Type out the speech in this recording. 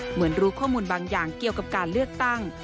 เหมือนรู้ข้อมูลบางอย่างเกี่ยวกับการเลือกตั้ง